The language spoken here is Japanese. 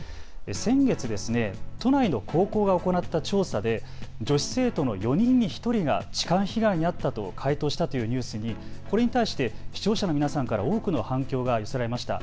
先月、都内の高校が行った調査で女子生徒の４人に１人が痴漢被害に遭ったと回答したというニュースにこれに対して視聴者の皆さんから多くの反響が寄せられました。